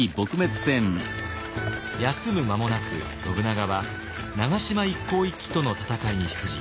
休む間もなく信長は長島一向一揆との戦いに出陣。